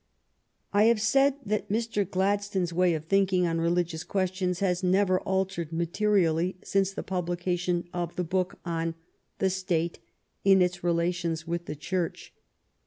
I have said that Mr. Gladstone's way of think ing on religious questions has never altered mate rially since the publication of the book on " The State in its Relations with the Church.''